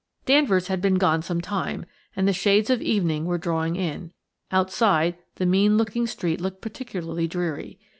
Danvers had been gone some time, and the shades of evening were drawing in; outside, the mean looking street looked particularly dreary.